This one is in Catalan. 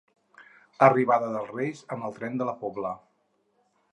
Arribada dels Reis amb el Tren de la Pobla.